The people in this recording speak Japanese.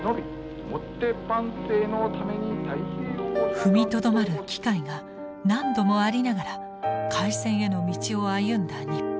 踏みとどまる機会が何度もありながら開戦への道を歩んだ日本。